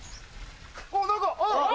あっ何かあっ！